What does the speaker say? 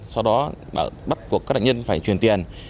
sau đó bắt buộc các nạn nhân phải truyền tiền